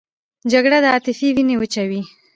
جګړه د عاطفې وینه وچوي